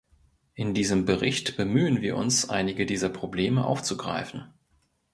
In diesem Bericht bemühen wir uns, einige dieser Probleme aufzugreifen.